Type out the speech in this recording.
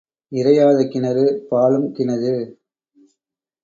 இறையாத கிணறு பாழும் கிணறு.